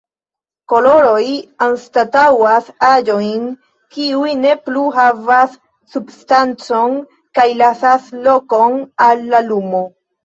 Koloroj anstataŭas aĵojn, kiuj ne plu havas substancon kaj lasas lokon al la lumo.